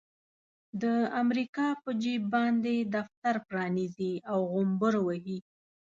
د امريکا په جيب باندې دفتر پرانيزي او غومبر وهي.